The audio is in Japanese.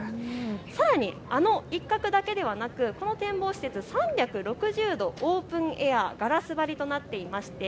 さらに、あの一画だけではなくこの展望施設、３６０度オープンエア、ガラス張りとなっていました。